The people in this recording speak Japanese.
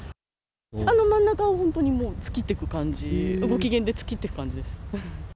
あの真ん中を本当に突っ切っていく感じ、ご機嫌で突っ切っていく感じです。